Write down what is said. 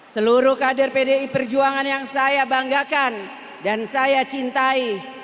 seluruh kader pdi perjuangan yang saya banggakan dan saya cintai